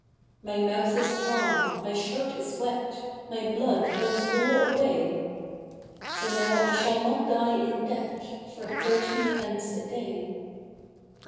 My mouth is dry, my shirt is wet, My blood runs all away, So now I shall not die in debt For thirteen pence a day.